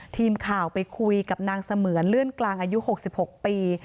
ทีมข่าวไปคุยกับนางเสมือนเลื่อนกลางอายุ๖๖ปี